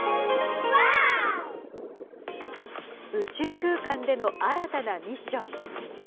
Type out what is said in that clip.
宇宙空間での新たなミッション。